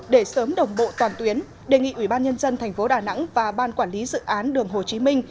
để sớm đồng bộ toàn tuyến đề nghị ubnd thành phố đà nẵng và ban quản lý dự án đường hồ chí minh